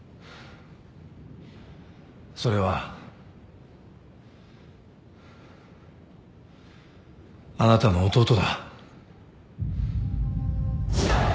それは。あなたの弟だ。